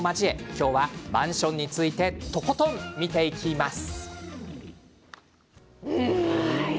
今日はマンションについてとことん見ていきます。